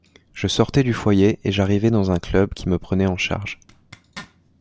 Je sortais du foyer et j'arrivais dans un club qui me prenait en charge.